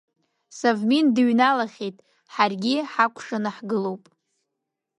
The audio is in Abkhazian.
Совмин дыҩналахьет, ҳаргьы ҳакәшаны ҳгылоп.